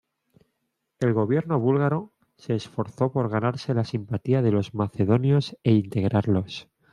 El gobierno búlgaro se esforzó por ganarse la simpatía de los macedonios e integrarlos.